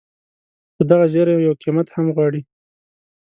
خو دغه زیری یو قیمت هم غواړي.